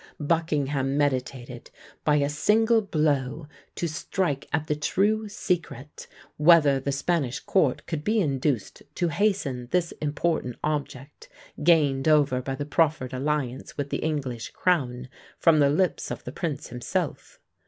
Buckingham meditated by a single blow to strike at the true secret, whether the Spanish court could be induced to hasten this important object, gained over by the proffered alliance with the English crown, from the lips of the prince himself.